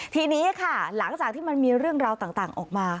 ทีนี้ค่ะหลังจากที่มันมีเรื่องราวต่างออกมา